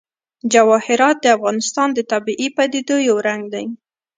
جواهرات د افغانستان د طبیعي پدیدو یو رنګ دی.